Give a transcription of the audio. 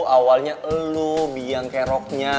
awalnya elu biang kayak roknya